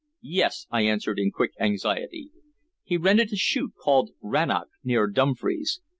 "Yes," I answered in quick anxiety. "He rented a shoot called Rannoch, near Dumfries.